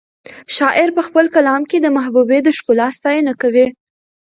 شاعر په خپل کلام کې د محبوبې د ښکلا ستاینه کوي.